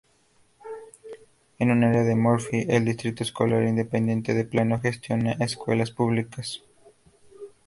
En un área de Murphy, el Distrito Escolar Independiente de Plano gestiona escuelas públicas.